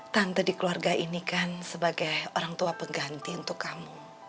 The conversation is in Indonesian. tante di keluarga ini kan sebagai orang tua pengganti untuk kamu